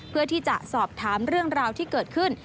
เพื่อที่จะสอบถามเรื่องราวที่เกิดขึ้น